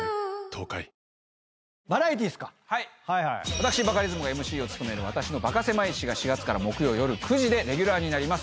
私バカリズムがＭＣを務める『私のバカせまい史』が４月から木曜夜９時でレギュラーになります。